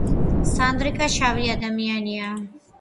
სანდრიკა შავი ადამიანია